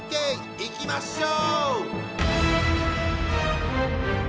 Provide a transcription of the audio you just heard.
いきましょう！